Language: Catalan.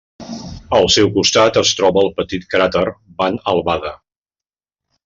Al seu costat es troba el petit cràter Van Albada.